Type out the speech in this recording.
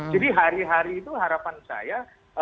jadi hari hari itu harapan saya